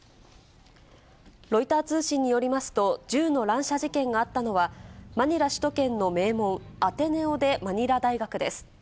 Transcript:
ロイター通信によりますと、銃の乱射事件があったのは、マニラ首都圏の名門、アテネオ・デ・マニラ大学です。